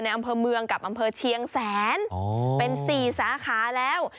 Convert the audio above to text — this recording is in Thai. ในอัมเภอเมืองกับอัมเภอเชียงแสนอ๋อเป็นสี่สาขาแล้ว